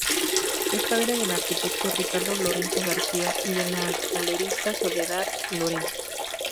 Es padre del arquitecto Ricardo Lorenzo García y de la galerista Soledad Lorenzo.